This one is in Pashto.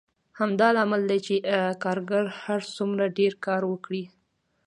همدا لامل دی چې کارګر هر څومره ډېر کار وکړي